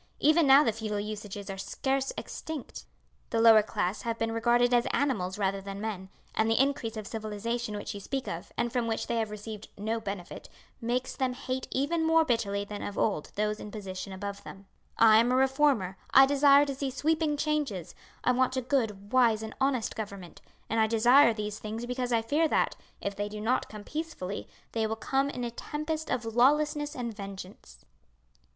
Even now the feudal usages are scarce extinct. The lower class have been regarded as animals rather than men; and the increase of civilization which you speak of, and from which they have received no benefit, makes them hate even more bitterly than of old those in position above them. "I am a reformer; I desire to see sweeping changes; I want a good, wise, and honest government; and I desire these things because I fear that, if they do not come peacefully they will come in a tempest of lawlessness and vengeance."